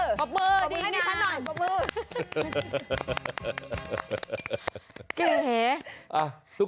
ปรบมือดีนะปรบมือให้ดีฉันหน่อยปรบมือ